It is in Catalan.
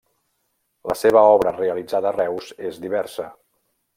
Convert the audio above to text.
La seva obra realitzada a Reus és diversa.